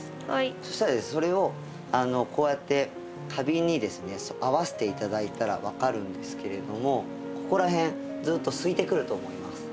そしたらそれをこうやって花瓶にですね合わせて頂いたら分かるんですけれどもここら辺ずっとすいてくると思います。